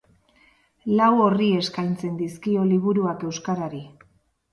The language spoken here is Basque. Lau orri eskaintzen dizkio liburuak euskarari.